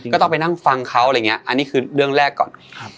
ก็ต้องไปนั่งฟังเขาอันนี้คือเรื่องแรกก่อน